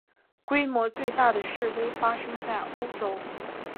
规模最大的示威发生在欧洲。